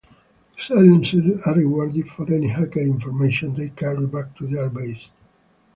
Silencers are rewarded for any hacked information they carry back to their base.